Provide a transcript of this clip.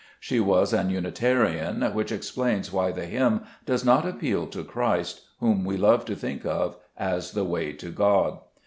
She was an Unitarian, which explains why the hymn does not appeal to Christ, whom we love to think of as the Way to God.